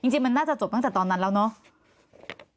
จริงมันน่าจะจบตั้งแต่ตอนนั้นแล้วเนาะ